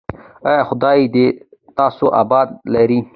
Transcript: ایا خدای دې تاسو اباد لري؟